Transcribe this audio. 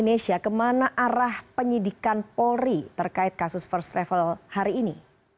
nesha kemana arah penyidikan polri terkait kasus first travel hari ini